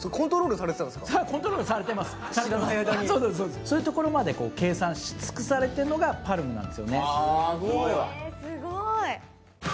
そういうところまで計算し尽くされているのがＰＡＲＭなんです。